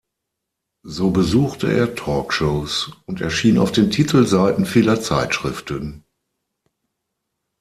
So besuchte er Talkshows und erschien auf den Titelseiten vieler Zeitschriften.